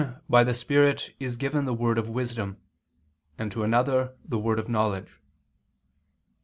by the Spirit is given the word of wisdom, and to another the word of knowledge."